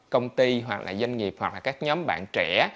công ty hoặc là doanh nghiệp hoặc là các nhóm bạn trẻ